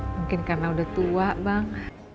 mungkin karena udah tua bang